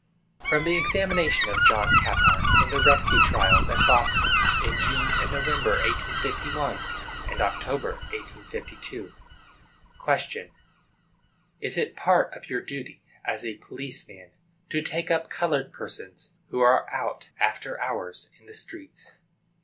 From the Examination of John Caphart, in the "Rescue Trials," at Boston, in June and Nov., 1851, and October, 1852. Question. Is it a part of your duty, as a police man, to take up colored persons who are out after hours in the streets?